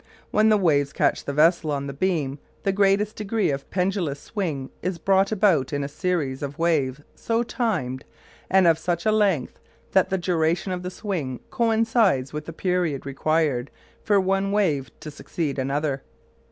When the waves catch the vessel on the beam the greatest degree of pendulous swing is brought about in a series of waves so timed, and of such a length, that the duration of the swing coincides with the period required for one wave to succeed another.